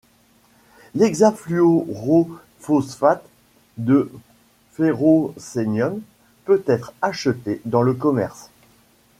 L'hexafluorophosphate de ferrocénium peut être acheté dans le commerce.